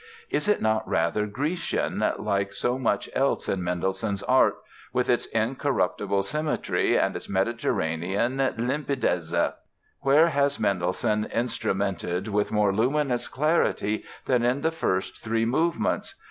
Is it not rather Grecian, like so much else in Mendelssohn's art, with its incorruptible symmetry and its Mediterranean limpidezza? Where has Mendelssohn instrumented with more luminous clarity than in the first three movements?